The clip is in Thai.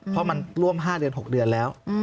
เพราะมันร่วม๕เดือน๖เดือนแล้ว